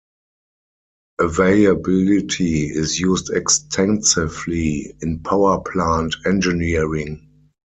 Availability is used extensively in power plant engineering.